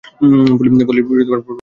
পল্লীর প্রহরীদেরকে হত্যা করল।